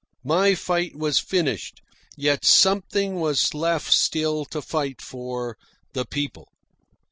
My fight was finished, yet something was left still to fight for the PEOPLE.